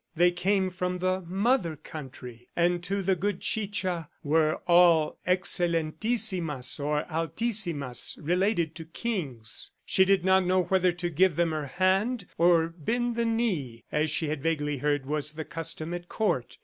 They came from the "mother country," and to the good Chicha were all Excelentisimas or Altisimas, related to kings. She did not know whether to give them her hand or bend the knee, as she had vaguely heard was the custom at court.